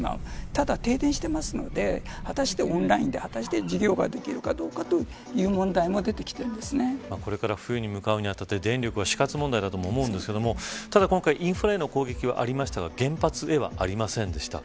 ただ、停電しているので果たしてオンラインで授業ができるかどうかという問題もこれから冬に向かうにあたって電力は死活問題だと思うんですけれどもただ今回、インフラへの攻撃はありましたが原発へは、ありませんでした。